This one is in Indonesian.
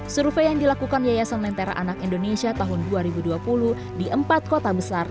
survei yang dilakukan yayasan lentera anak indonesia tahun dua ribu dua puluh di empat kota besar